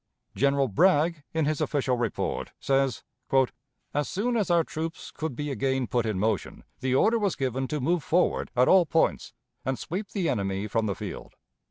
General Bragg, in his official report, says: "As soon as our troops could be again put in motion, the order was given to move forward at all points and sweep the enemy from the field.